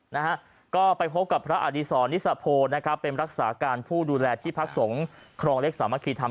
นะฮะก็ไปพบกับพระอดีศรนิสโพนะครับเป็นรักษาการผู้ดูแลที่พักสงฆ์ครองเล็กสามัคคีธรรม